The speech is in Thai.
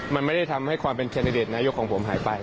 มันไม่ได้ทำให้ความเป็นแคนดิเดตนายกของผมหายไป